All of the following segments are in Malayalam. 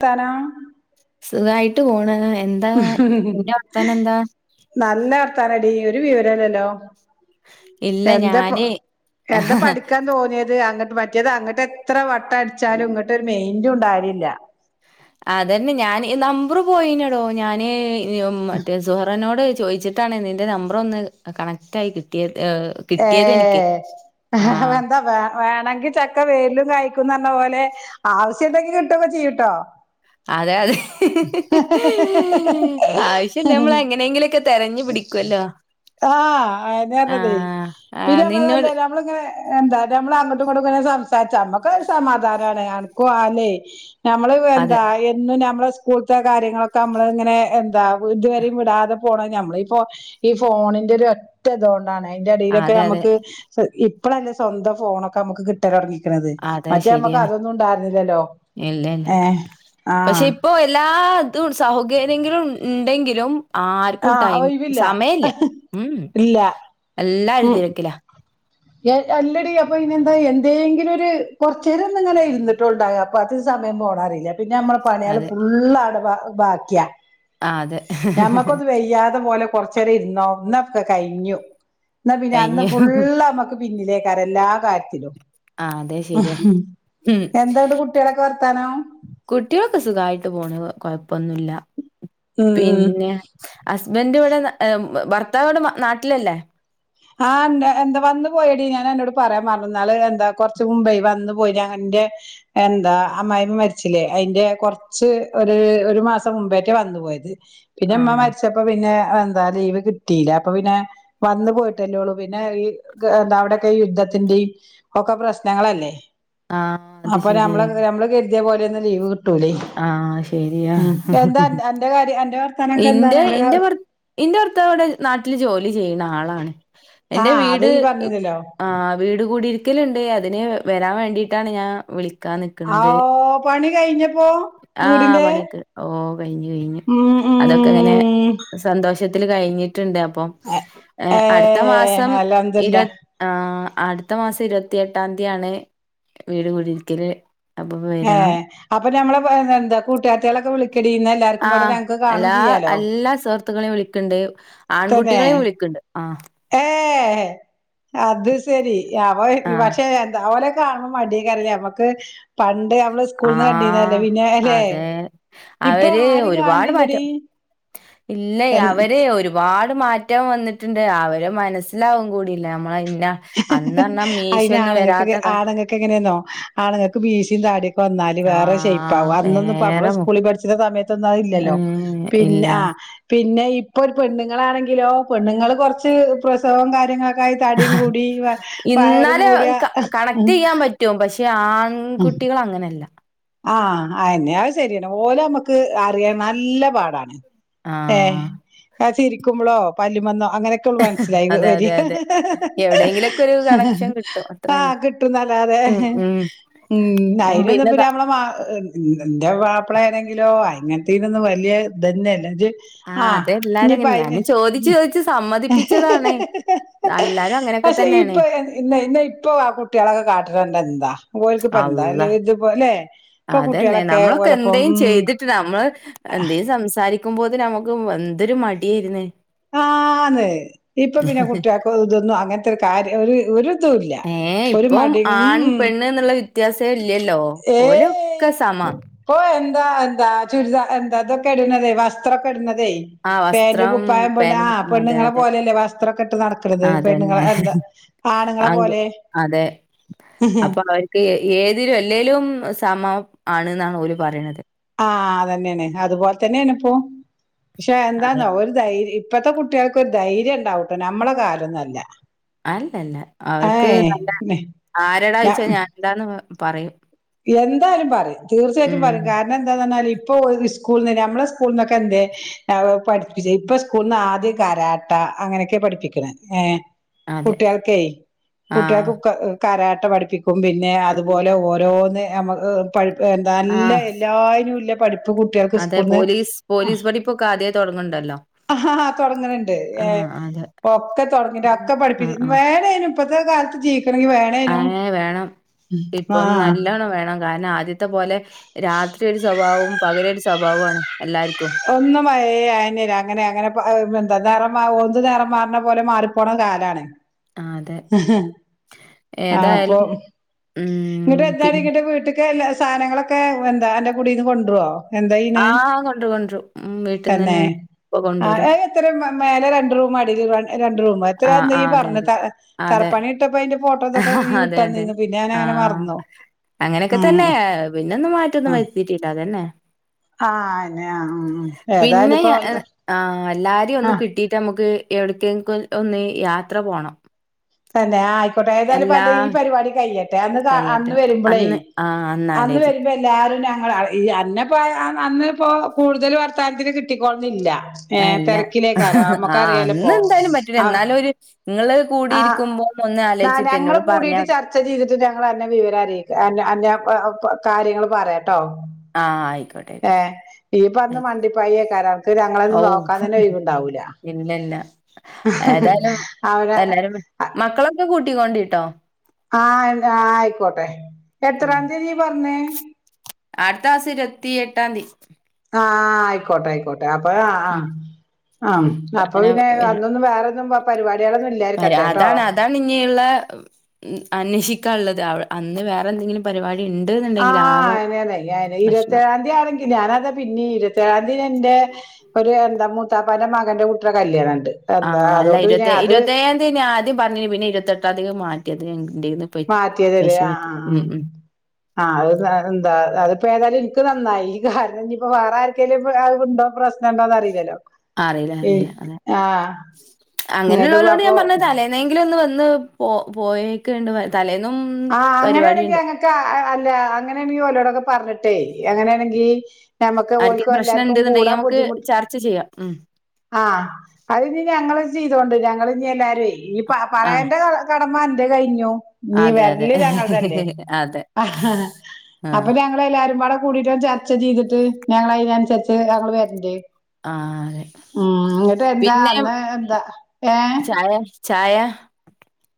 തരാ സുഖായിട്ട് പോണ് ങ്ങ എന്താ അന്റെ വർത്താനം എന്താ താനടി ഒരു വിവരല്ലല്ലോ ഇല്ല എന്തെപ്പോ ഞാന് എന്താ പഠിക്കാൻ തോന്നിയത് അ മറ്റേത് അങ്ങട്ട് എത്ര വട്ട അടിച്ചാലും ഇങ്ങട്ടൊരു മെയിന്റും ഉണ്ടാവലില്ല അതന്നെ ഞാൻ ഇ നമ്പർ പോയിനടോ ഞാന് ഇ മ് മറ്റേ സുഹറനോട് ചോയി ച്ചിട്ടാണ് നിന്റെ നമ്പർ ഒന്ന് കണക്റ്റ് ആയി കിട്ടിയത് ഏഹ് കിട്ടിയതെനിക്ക്. ഏയ് ഹ് ഹ് ആഹ് എന്താ വേ വേണെങ്കി ചക്ക വേരിലും കായ്ക്കും ന്ന് പറണ പോലെ [unintelligible] ആവശ്യണ്ടെങ്കി കിട്ടുമ്പോ ചെയ്യൂട്ടോ അതെ അതെ ആവശ്യം നമ്മൾ എങ്ങനെങ്കിലൊക്കെ തെരഞ്ഞു പി ടിക്കൊല്ലോ ആഹ് അഎന്നെ പർഞ്ഞതേ ആഹ് പിന്നെമ്മതല്ലേ നിന്നോട് നമ്മളിങ്ങനെ എന്താ നമ്മള്, അങ്ങട്ടും ഇങ്ങട്ടും ഇങ്ങനെ സംസാരിച്ചാ നമ്മക്ക് സമാധാനാണ് അനക്കും ആലേ ഞമ്മള് അതെ എന്താ എന്നും നമ്മളെ സ്കൂൾത്തെ കാര്യങ്ങളൊക്കെ നമ്മള് ഇങ്ങനെ എന്താ ഇതുവരിം വിടാതെ പോണത് ഞമ്മള് ഇപ്പോ ഈ ഫോണിന്റെ ഒരു ഒറ്റ ഇതോണ്ടാണ് അയ്ന്റെടേലൊക്കെ അതെ അതെ. ഞമക്ക് സ്വ ഇപ്പളല്ലേ സ്വന്തം ഫോണൊക്കെ നമുക്ക് കിട്ടലൊടങ്ങിയെ ക്ക്ണത്. അതെ മറ്റേ ഞമ്മക്ക് ശരിയാണ്. അതൊന്നും ഉണ്ടായിരുന്നില്ലല്ലോ ഇല്ല ഇല്ല. ഏഹ് പക്ഷെ ആഹ് ഇപ്പോ എല്ലാ ഇതും സൗകര്യങ്ങളും ഇണ്ടെങ്കിലും ആർക്കും ആഹ് ടൈം ഒഴിവില്ല സമയല്ല ഉം ഇല്ല എല്ലാരും ഉം തിരക്കിലാ എ അല്ലടി അപ്പൊ അയ്നന്താ എന്തേങ്കിലു ഒര് കൊറച്ചേരം ഒന്ന് ഇങ്ങനെ ഇരുന്നിട്ടോണ്ടാവ അപ്പൊ അത് സമയം പോണറീല്ല. പിന്നെ നമ്മളെ പണിയേള് അതെ. ഫുള്ള് അവ്ടെ ബാക്കിയാ ആ അതെ. ഞമുക്കൊന്ന് വയ്യാതെ പോലെ കൊർച്ചേരം ഇര്ന്നോ ന്നാക്കെ കഴിഞ്ഞു ന്നാ പിന്നെ അന്ന് കഴിഞ്ഞു. ഫുള്ള പിന്നിലേക്കാര എല്ലാ കാര്യത്തിലും ആ അതെ ശരിയാ. ഉം. എന്താന്നട്ട് കുട്ടിയെളൊക്കെ വർ ത്താനം കുട്ടികളൊക്കെ സുഖായിട്ട് പോണ് കൊഴപ്പൊന്നുല്ല ഉം ഉം പിന്നെ ഹസ് ബൻഡ് ഇവിടെ ഭർത്താവ് വടെ നാട്ടിലല്ലേ ആഹ് ന്ത എന്താ വന്ന് പോയെടീ ഞാൻ അന്നോട് പറയാൻ മറന്നു. ഇന്നാള് എന്താ കൊറച്ച് മുമ്പേയ് വന്നു പോയി ഞാ ന്റെ എന്താ അമ്മായിമ്മ മരിച്ചില്ലേ അയിന്റെ കൊർച്ച് ഒര് ഒരു മാസം മുമ്പേറ്റെ വന്നു പോയത് പിന്നെ ഇമ്മ ആണോ? മരിച്ചപ്പോ പിന്നെ എന്താ ലീവ് കിട്ടീല്ല അപ്പൊ പിന്നെ വന്ന് പോയി ട്ടൊല്ലേ ഉള്ളൂ പിന്നെ ഈ എന്താ അവിടെയൊക്കെ യുദ്ധത്തിന്റിം ഒക്കെ പ്രശ്നങ്ങളല്ലേ ആ അത് അപ്പൊ ഞമ്മള ശരിയാ. ഞമ്മള് കരുതിയ പോലെ ഒന്നും ലീവ് ട്ടൂലേ. ആ ശരിയാ. ഉം എന്താ അന്റെ കാര്യം അന്റെ വർത്താനൊക്കെ എന്താണ് ഇന്റെ അന്റെ ഇന്റെ ഭർ ഇന്റെ ഭർത്താവ്ടെ നാട്ടില് ജോലി ചെയ്യണാ ആളാണ് ആ എന്റെ അത് വീട് ഈ പറഞ്ഞില്ലല്ലോ ആ വീട് കുടി ക്കല്ണ്ട് അതിന് വരാൻ വേണ്ടിയിട്ടാണ് ഞാൻ വിളി ആ വൂ പണി കഴിഞ്ഞു ആ പണിക്ക് ഓ കഴിഞ്ഞു കഴിഞ്ഞു ഉം അതൊക്കെ അങ്ങനെ ഉം സന്തോഷം ത്യത്തില് കഴിഞ്ഞിട്ടുണ്ട്. അപ്പം ഏ അടുത്ത മാസം ഏഹ് ഇരുപ അൽഹംദുലില്ലാ ആ അടുത്ത മാസം ഇരുപത്തി എട്ടാംതിയാണ് വീട് കുടിരിക്കല് ഹേ അപ്പൊ ഞമ്മളെ ഇപയ്നെന്താ കൂട്ടുകാരത്തിയേളൊക്കെ വിളിക്കടീ ന്നാ എല്ലാർക്കും പാടെ ഞങ്ങക്ക് കാണും ചെയ്യാലോ ർത്ത്‌കളെ വിളിക്കണ്ട് തന്നെ ആൺകുട്ടികളെ വിളിക്ണ്ട് ആഹ് അത് ശരി അവൻ ആഹ് പക്ഷെ എന്താ ഓലെ കാണ് മ്പോ മടിയേക്കാര ഞമക്ക് പ ട്ട് നമ്മള് സ്കൂൾന്ന് കണ്ടീന്നല്ലേ ആഹ് പിന്നെ അല്ലെ അതെ ഇപ്പൊ ആരിം കാണലില്ലടീ ഇല്ലെ അവര് ഒരുപാ മാറ്റം വന്നിട്ടുണ്ട് അവര് മനസ്സിലാവും കൂടില്ല നമ്മളയ്ന് അയിന് ആണുങ്ങൾക്ക് കാല ആണുങ്ങൾക്ക് എങ്ങനെന്നോ ആണുങ്ങൾക്ക് മീശിം താടി ഇപ്പൊ എന്നാല് വേറെ ആഹ് ശേയിപ്പാവും അന്നൊന്നും ഇപ്പ നമ്മള് വേറെ സ്കൂളി മുഖം പഠിച്ച്ണ സമയ ത്തൊന്നും അതില്ലല്ലോ ഏഹ് ഇല്ല പിന്നെ ആ പി പിന്നെ ഇപ്പൊ ഒരു പെണ്ണുങ്ങളാണെങ്കിലോ പെണ്ണുങ്ങൾ കുറച്ച് പ്രസവം കാര്യങ്ങളൊക്കായി തടിയും കൂടി വയറും ഇന്നാലെ കൂടിയ കണക്ട് ചെയ്യാൻ പറ്റും പ ആൺകുട്ടികൾ അങ്ങനെയല്ല ആഹ അെ അത് ശരിയാണ് പോലെ നമ്മുക്ക് അറിയാൻ നല്ല പാടാണ് ഏ ആഹ് ആ ചിരിക്കുമ്പോളോ പല്ലുമന്നോ അങ്ങനെയൊക്കെയള്ള മനസിലായി അതെ വരി അതെ അതെ എവിടെയെങ്കിലൊക്കെ ഒരു കണക്ഷൻ കിട്ടും അത്ര ആ തന്നെ കിട്ടുന്ന് അതെ ഉം ഉം അയ്ന് പിന്നെതാ നമ്മളെ മകൾ എന്റെ മാപ്പള ആനെങ്കിലോ അനത്തനൊന്നും വലിയ ഇതന്നെയല്ല ആഹ് ആഹ അതെല്ലാരും ഇനിപ്പ അങ്ങനെ അയ്ന് ഞാന് ചോദിച്ച് ചോദിച്ച് സമ്മതിപ്പിച്ചതാണ് എല്ലാരും അങ്ങനെയൊക്കെ പക്ഷെ തന്നെയാണ് ഇപ്പൊ ഇ ഇന്ന ഇപ്പൊ ആ കുട്ടികളൊക്കെ കാട്ടിട്ടണ്ട എന്താ ഓല്ക്ക് എന്താ അല്ലേ ഇത് അല്ലെ അതതന്നെ നമ്മളൊക്കെ എന്തും ചെയ്തിട്ട് നമ്മള് എന്തും സംസാരിക്ക നിക്കുമ്പോത്തിന് നമുക്ക് എന്തൊരു മടിയായിുന്നേ ആന്ന് ഇപ്പൊ പിന്നെ കുട്ടിയക്ക ഇതന്നു അങ്ങനത്തെ ഒരു കാര്യം ഒരു ഒരു തുല്ല ഏഹ് ഒരു ഇപ്പം മടി ആൺ പെണ്ണ് എന്നുള്ള വ്യത്യാസേ ഇല്ലല്ലോ. ഏ ഓലൊക്കെ സമാ. പോ എന്ത എന്താ ചുരിദ എന്താതൊക്കെ ഇടതേ വസ്ത്രം ഒക്കെ ഇടുന്നതേ ആഹ് പാന്റ് വസ്ത്രം പായംണ് ആ പേനും അതെ പെണ്ണുങ്ങളെ അതെ. പോലെയല്ലേ വസ്ത്രമൊക്കെ ഇട്ട് നടക്കരുത് പെണ്ണുങ്ങളെ അതന്നെ. എന്താ ആണുങ്ങളെ ആങ്ക് പോലെ അതെ അപ്പൊ അവർക്ക് ഏതിലും എല്ലെലും സമം ആണ് എന്നാണ് ഓല് പറയണുന്നത് ആഹ അതന്നെയാണ് അതുപോലെ തന്നെയാണ് ഇപ്പോപക്ഷെ അതെ. എന്താന്നോ ഒരു ധൈര്യ ഇപ്പത്തെ കുട്ടികൾക്കൊരു ധൈര്യം ഉണ്ടാവൂട്ടെ നമ്മളെ കാലം ഒന്നുല്ല അല്ലല്ല അവർക്ക് നല്ല ആരടാ ഞ വച്ചാ ഞാൻ എന്താന്ന് പറയും എന്തായാലും പറയും തീർച്ചയായിട്ടും ഉം. പറയും കാരണം എന്താന്നാൽ ഇപ്പൊ സ്കൂളിൽ നി നമ്മളെ സ്കൂളിൽ നിന്നൊക്കെ എന്ത പഠിപ്പിച്ച ഇപ്പ സ്കൂളന്ന് ആദ്യം കരാട്ട അങ്ങനെയൊക്കെ പഠിപ്പിക്കണ ഏ അതെ. കുട്ടികൾക്ക ആഹ്. കുട്ടികൾക്ക് കരാട്ട പഠിപ്പിക്കും പിന്നെ ഉം. അതുപോലെ ഓരോന്ന് നമുക്ക് പി എന്ത നല്ല ആഹ്. എല്ലാവരും ഇല്ല പഠിപ്പ്. കുട്ടികൾക്ക് അതെ സ്കൂളിൽന്ന് പോലീസ് പോലീസ് പഠിപ്പ് ഒക്കെ ആദ്യ തുടങ്ങണ്ടല്ലോ. ആഹ് തുടങ്ങണണ്ട് ഏഹ് ഒക്കെ തുടങ്ങിട്ട് ഒക്കെ പഠിപ്പി ആഹ് ആഹ് വേറെ. ഇപ്പത്തെ കാലത്ത് ജീവിക്കണമെങ്കിൽ വേണേനും അങ്ങനെ വേണം ഇപ്പം ആഹ്. നല്ലോണം വേണം കാരണം ആദ്യത്തെ പോലെ രാത്രി ഒരു സ്വഭാവവും പകൽ ഒരു സ്വഭാവമാണ്. ഒന്നും അ അയിനര അങ്ങനെ അങ്ങനെ എന്താ നി ഒന്ത് നിറം മാറുന്ന പോലെ മാറിപ്പോണ കാലാണ്. ആഹ് അതെ ആ അപ്പൊ ഏതായാലും ഉം ഇങ്ങട്ട് എന്ത പിന്നെ ഇങ്ങട്ട് വീട്ടിക്ക്. സാധനങ്ങളൊക്കെ എന്താ എന്റെ കുടീന്ന് കൊണ്ടുപോവോ. എന്താ അയിന് ആഹ് കൊണ്ടരും കൊണ്ടരും ഉം തന്നെ വീട്ടിന്നന്നെയാണ് ഇപ്പൊ കൊണ്ടുവരും ആഹ് ഇത്ര മാ മോലെ രണ്ടുറൂം അടിയിൽ രണ്ട് റൂം എത്രയാ ആഹ് ഈ ആഹ് അതെ പറഞ്ഞ അതെ അതെ തറപ്പണി ഇട്ടപ്പോ അതിന്റെ. ഫോട്ടോതൊക്കെ നീ വിട്ടാ അതെ അതെ തന്നന്ന് പിന്നെ ഞാൻ അങ്ങനെ ആഹ് മറന്നു. അങ്ങനെയൊക്കെ ഉം തന്നെ പിന്നൊന്നും മാറ്റൊന്നും വരുത്തിട്ടില്ല അത് തന്നെ. ആഹ് അന്നെയ ഉം ഉം ഏതായാലും ഇപ്പോ. എല്ലാരും ഒന്ന് കിട്ടിയിട്ട നമ്മുക്ക് എവിടക്കെക്കാ ഒന്ന് യാത്ര പോണം. ആഹ് ആയിക്കട്ടെ ഏതാലും എല്ലാ അന്റെ ഈ പരിപാടി കഴിഞ്ഞിട്ട്. [unintelligible] കാ കഴിയട്ടെ അന്ന് വരുമ്പളേ അന്ന് ആഹ് അന്ന് ആലോചിക്ക വരുമ്പോ എല്ലാരും ഞാൻ. ഞങ്ങള് ഈ അന്നെ പ അന്ന് ഇപ്പോ കൂടുതൽ വർത്താനത്തിന് കിട്ടിക്കൊളുന്നില്ല. ഏഹ് അല്ല തിരക്കിലേക്ക് [unintelligible] ആഹ് നമ്മക്കറിയാലെ അന്ന് ഇപ്പോ എന്തായാലും പറ്റൂല ആഹ്. എന്നാലും ഒരു നിങ്ങള് ആ കൂടിയിരിക്കുമ്പോ ഒന്ന് ആലോചിച്ചിട്ട് ഞങ്ങള് എന്നോട് പറഞ്ഞാ കൂടിയിട്ട് മതി. ചർച്ച ചെയ്തിട്ട് ഞങ്ങൾ അന്നെ വിവരം അറിയിക്കാം അന്നെ. കാര്യങ്ങൾ പറയാട്ടോ ആഹ് ആയി. ആയിക്കോട്ടെ ഏ ആയിക്കോട്ടെ ഇയ്യ്പ്പ അന്ന് മണ്ടിപ്പായേക്കാരം അനക്ക് ഔ ഞങ്ങളൊന്നും നോക്കാൻ തന്നെ ഒഴിവുണ്ടാവൂല ഇല്ലല്ല. ഏതായാലും അവനെ എല്ലാരും മക്കളൊക്കെ കൂട്ടിക്കൊണ്ടീട്ടോ. ആഹ് ആഹ് ആയിക്കോട്ടെ. ഉം എത്രാം തീയതി പറഞ്ഞേ അടുത്ത മാസം ഇരുപത്തി എട്ടാം തിയ്യതി. ആഹ് ആയിക്കോട്ടെ ആയിക്കോട്ടെ അപ്പൊ ഉം ആഹ്. ആഹ് അപ്പൊ പിന്നെ അങ്ങനെ അന്നൊന്നും വേറെന്നും പരിപാടികളൊന്നും ഇല്ലായിരിക്കട്ടെട്ടോ. അന്വേഷിക്കാനുള്ളത് അന്ന് വേറെ എന്തെങ്കിലും പരിപാടി. ഇണ്ട്ന്നുണ്ടെങ്കിൽ ആഹ് ആകെ അയിനല്ലെ ഇരുപത്തി പ്രശ്നം ഏഴാം തീയ്യതി ആണെങ്കില് ഞാനതാ പിന്നെ ഇരുപത്തേഴാം തീയ്യതി എന്റെ. ഒരു എന്താ മൂത്താപ്പാന്റെ മകന്റെ കൂട്ടിടെ കല്യാണം. എന്താ ആഹ് അല്ല അതുകൊണ്ട് പിന്നെ ഇരുപത്തി അത് ഏഴാം തീയതി ഞാൻ ആദ്യം പറഞ്ഞന് പിന്നെ ഇരുപത്തെട്ടാം തീയതിക്ക് മാറ്റിയത്. എന്റെന്ന് പ മാറ്റിയലേ പക്ഷെ ആഹ് പറ്റി ഉം ഉം ആഹ് ആഹ് ആഹ് അത് എന്താ അതിപ്പോ ഏതായാലും എനിക്ക്. നന്നായി കാരണം ഇനി ഇപ്പ വേറെ ആർക്കേലും ഇപ്പൊ അത് ഉണ്ടോ പ്രശ്നം. ഉണ്ടോന്ന അറിയില്ലല്ലോ ഉം ആഹ്. അങ്ങനെ ഇങ്ങോട്ട് ഉള്ളവരോട് അപ്പൊ ഞാൻ പറഞ്ഞ തലേന്നെങ്കിലും ഒന്ന് വന്ന് പോ പോയൊക്കെ ഉണ്ട് തലേ ആഹ് അങ്ങനെയാണെങ്കിൽ അങ്ങക്ക് അല്ല അങ്ങനെയെങ്കില് ഓലോടൊക്കെ പറഞ്ഞിട്ടേ. അങ്ങനെയാണെങ്കിൽ നമ്മക്ക് ആർക്കേലും ഓല്ക്കും പ്രശ്നം എല്ലാർക്കും ഇണ്ട്ന്നുണ്ടെങ്കിൽ കൂടാൻ നമുക്ക് ബുദ്ധിമുട്ട്. ചർച്ച ചെയ്യാം ഉം ആഹ് അത് ഇനി ഞങ്ങള് ചെയ്തൊണ്ട് ഞങ്ങള് ഇഞ് എല്ലാരും ഈ പ ആഹ് പറയന്റെ കാ അന്റെ കഴിഞ്ഞു ഇനീ അതെ അതെ വരല് ഞങ്ങളതല്ലേ. അതെ ആഹ് അപ്പൊ ഞങ്ങൾ എല്ലാവരും പാടെ കൂടിട്ട് ചർച്ച ചെയ്തി ട്ട് ഞങ്ങൾ അതിനനുസരിച്ച് ഞങ്ങൾ വരണ്ട്. ആഹ് അതെ ഉം ഇങ്ങിട്ട് എന്താ പിന്നെ അന്ന് എന്താ ഏഹ്. ചായ ചായ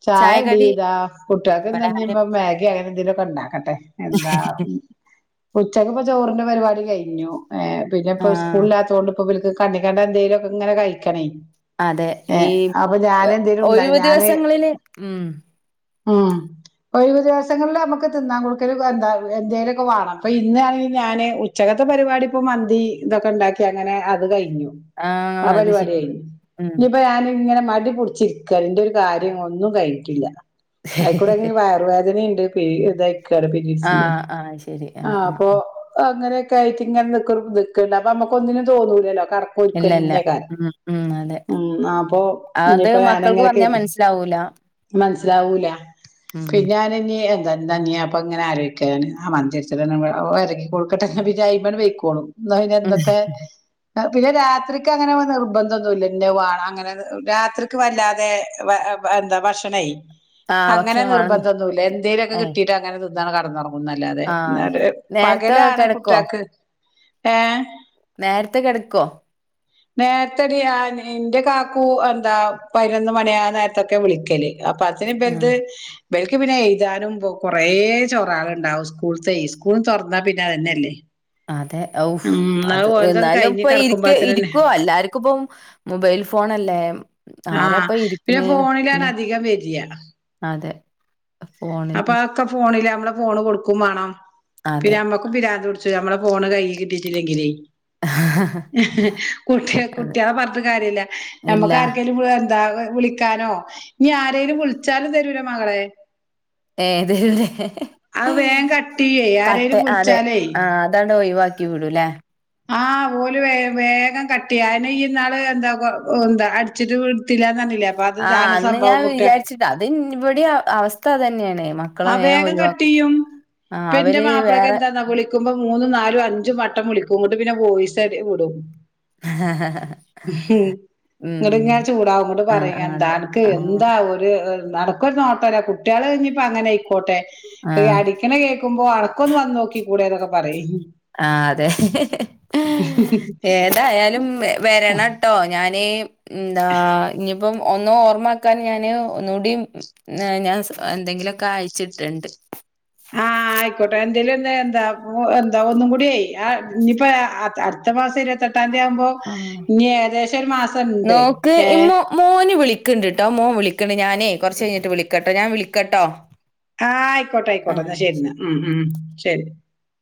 ചായ ടീ ചായകടി താ കുട്ടികൾക്ക് പലഹാരം ഇഞ്പ്പം മാഗി അങ്ങനെ എന്തേലും ഒക്കെ ഉണ്ടാക്കട്ടെ. എന്താ ഉച്ചക്ക് ഇപ്പ ചോറിന്റെ പരിപാടി കഴിഞ്ഞു. ആ പിന്നെപ്പൊ സ്കൂളിലാത്തത് കൊണ്ട് ഇവർക്കിപ്പോ കണ്ണിക്കണ്ട എന്തെങ്കലും ഒക്കെ ഇങ്ങനെ കഴിക്കണേ. അതെ ഈ ഏഹ് അപ്പൊ ഞാന് എന്തേലും ഉണ്ടായി ഒഴിവു ഞാന് ദിവസങ്ങളില് ഉം. ഉം ഒഴിവ് ദിവസങ്ങളിൽ നമുക്ക് തിന്നാൻ കൊടുക്കല് എന്താ എന്തേങ്കിലോക്കെ വേണം ഇപ്പൊ ഇന്നാണെങ്കിൽ ഞാന് ഉച്ചക ത്തെ പരിപാടി ഇപ്പോ മന്തി ഇതൊക്കെ ഉണ്ടാക്കി അങ്ങനെ അത് കഴിഞ്ഞു ആ അത് അവരിപാടി ശരി കഴിഞ്ഞു ഉം ഇനിപ്പോ ഞൻ ഇങ്ങനെ മടി ടിപുടിച്ചു ഇരിക്ക ഒരു കാര്യം ഒന്നും കഴിഞ്ഞിട്ടില്ല, അയിക്കൂടെ വയറുവേദനയുണ്ട്. ഇതായിക്കാണ് പരീഡ്സിന്റെ ആ അപ്പൊ അങ്ങനെ ആയിട്ട് ഇങ്ങനെ നിക്കണ്ട്‌ അപ്പൊ നമുക് ഒന്നിനും തോന്നൂലല്ലോ ഇല്ല ഇല്ല കടക്കുഇരിക്കന്നകാരം ഉം ഉം അതെ ഉം അപ്പൊ അത് ഇനിയിപ്പോ മക്കൾക്ക് ഞാനങ്ങനെയൊക്കെ പറഞ്ഞാ കരുതി മനസ്സിലാവൂല മനസിലാവൂല ഉം പിന്നെ ഞൻ ഇനി എന്ത ന്തഞ്ഞി ഞാപ്പൊ ഇങ്ങനെ ആലോചിക്കുകാണ് ആ മഞ്ച [unintelligible] എറങ്ങി കൊടുക്കട്ടെ വിചാരിക്കുമ്പോ പൊയ്ക്കോളും ന്നാ പിന്നെ എന്തൊക്കെ പിന്നെ രാത്രിക്ക് അങ്ങനെ നിർബന്ധന്നുല്ല ന്നത് വേണം അങ്ങനെ രാത്രിക്ക് വല്ലാതെ എന്താ ഭക്ഷണയ് ആ അങ്ങനെ ഭക്ഷണം വേണന്ന് നിർബന്ധൊന്നുമല്ല, എന്തെങ്കലുമൊക്കെ ഏ കിട്ടീട്ട് അങ്ങനെ തിന്ന കിടന്നുറങ്ങും. ആ ന്നല്ലാതെ ശരി നേരത്തെ പകലാണ് കിടക്കോ കുട്ടികൾക്ക് ഏ നേരത്തെ കിടക്കുവോ നേരത്തെടി എന്റെ കാക്കൂ എന്താ പതിനൊന്ന് മണിയ നേരത്തെ ഒക്കെ വിളിക്കല് അപ്പൊ അതിന് ആ വലുത് ബൽക്ക് പിന്നെ എഴുതാനും കൊറേ ചോറാള ഉണ്ടാവും സ്കൂൾ തെ സ്കൂള്തുറന്നാ പിന്നെഅതെന്നല്ലേ അതന്നെയല്ലേ അതെ ഔഫ് ഉം ന്നാ അത് ഓൽതൊക്കെ എന്നാലും കഴിഞ്ഞ് ഇപ്പ ഇരിക്ക കെടക്കുമ്പോത്തിനന്നെ ഇരിക്കുവോ എല്ലാവർക്കും ഇപ്പ മൊബൈൽ ഫോൺ ണല്ലേ ആഹ പിന്നെ ഫോണിലാണ് അധികം വരിയ അതെ അപ്പൊ ഫോണില് അതക്കെ ഫോണില നമ്മള് ഫോണ് കൊടുക്കും വേണം അതെ പിന്നെ അമ്മക്കും പിരാന്തു പു നമ്മളെ ഫോണ് കൈയ്യിൽ കിട്ടിട്ടില്ലെങ്കിലേ [unintelligible] അതെ കുട്ടികളെ പാറഞ്ഞിട്ട് കാര്യല്ല ഇല്ല നമ്മക് ആർക്കലും [unintelligible] എന്താ വിളിക്കാനോ ഇനി ആരേലും വിളിച്ചാലും തരൂല മകളെ ഏതല്ലെ അത് വേഗം കട്ട് ചെയ്യേ ആരേലും കട്ട് അതെ വിളിച്ചാലേ ആ അതാണ്ട് ഒഴിവാക്കി വിടുല്ലേ ആ ഓല് വേഗം കട്ട് ചെയ്യും ആയെന്നെ ഈ നാള് എന്താ എന്താ അടിച്ചിട്ട് വി റ്റില്ല പറന്നില്ലേ അപ്പൊ അത് ഇതാണ് സംഭവം കുട്ടിയ ഇവിടിം അവസ്ഥ അതന്നെയാണ് അ മക്കള് വേം വേഗം കട്ട ഒഴിവാക്കും ചെയ്യും ആഹ് ഇപ്പ എന്റെ അവര് മാപ്പിളക്കെ വേറെ എന്താന്നാ വിളിക്കുമ്പോ മൂന്നും നാലും അഞ്ചും വട്ടം വിളിക്കും ഇങ്ങോട്ട് പിന്നെ വോയിസ്‌ ക്കി വിടും ഹ ഹ ഹ ഇങ്ങോട്ട ഇങ്ങെ ചൂടാവും ഇട്ട് പറയും അതെ അനക് ആഹ് എന്താ ഒരു അനക്കൊരു നോട്ടല്ല കുട്ടികൾഇ ന്നിപ്പഅങ്ങന ക്കോട്ടെഈ ആഹ് അടിക്കിനെ കേൾക്കുമ്പോ അടക്കൊന്ന് വന്ന് നോക്കി കൂടെതൊക്കെ പറയും ആ അതെ ഏതായാലും ആഹ് വരണംട്ടോ ഞാന് എന്താ ഇന്നി പ്പം ഒന്ന് ഓർമ്മക്കാൻ ഞാന് ഒന്നൂടി ഞാൻ എന്തെങ്കിലുമൊക്കെ അയച്ചിട്ടണ്ട് ആ ആയിക്കോട്ടെ എന്തേലുംന്ന് എന്താ എന്താ ഒന്നും കൂടിഅ ഇനിയിപ്പോ അടുത്ത മാസം ഇരുവാതിയേട്ട ത്തിയതിയാവുമ്പോ ആഹ്. ഇനി ഏകദേശം ഒരു മാസംണ്ട് ഏ ക്ക് ണ്ട് ട്ടെ മോൻ വിളിക്കണ്ട് ഞാനേ കുറച്ച് കഴിഞ്ഞട്ട് വിളിട്ടോ ഞാൻ വിളിക്കട്ടോ ആ ആയിക്കോട്ടെ ആയിക്കോട്ടെ എന്നാ ആഹ്. ശരി എന്നാ ഉ ഉ ശരി